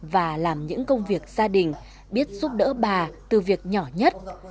và làm những công việc gia đình biết giúp đỡ bà từ việc nhỏ nhất